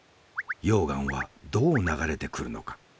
溶岩はどう流れてくるのか？